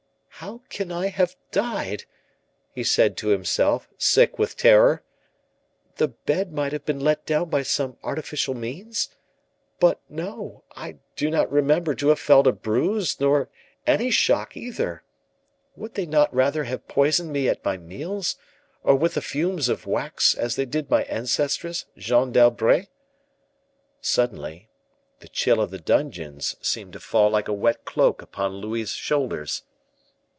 "How can I have died?" he said to himself, sick with terror. "The bed might have been let down by some artificial means? But no! I do not remember to have felt a bruise, nor any shock either. Would they not rather have poisoned me at my meals, or with the fumes of wax, as they did my ancestress, Jeanne d'Albret?" Suddenly, the chill of the dungeons seemed to fall like a wet cloak upon Louis's shoulders.